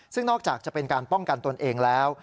ซึ่งนอกจากจะเป็นการป้องกันตนเองแล้ว